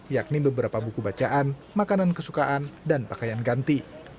yakni beberapa buku bacaan makanan kesukaan dan pakaian ganti